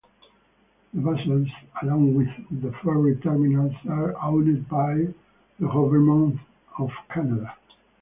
The vessels, along with the ferry terminals, are owned by the Government of Canada.